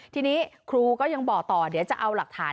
ทีนี้ครูก็ยังบอกต่อเดี๋ยวจะเอาหลักฐาน